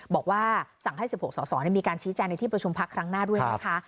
บอกว่าสั่งให้๑๖สสมีการชี้แจงในที่ประชุมพักครั้งหน้าด้วยนะคะ